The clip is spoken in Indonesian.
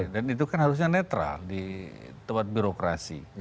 dan itu kan harusnya netral di tempat birokrasi